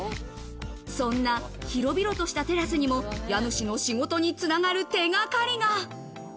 そんな広々としたテラスにも家主の仕事に繋がる手がかりが。